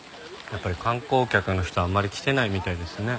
やっぱり観光客の人はあんまり来てないみたいですね。